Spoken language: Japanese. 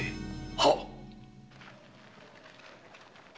はっ！